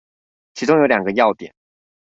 其中有兩個要點